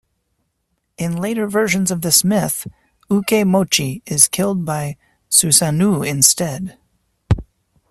In later versions of this myth, Uke Mochi is killed by Susanoo instead.